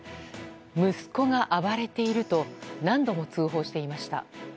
息子が暴れていると何度も通報していました。